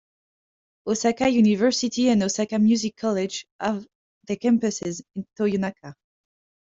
Osaka University and Osaka Music College have their campuses in Toyonaka.